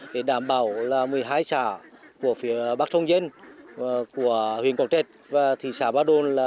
để đảm bảo một mươi hai xã của phía bắc sông danh huyện quảng trạch và thị xã ba đồn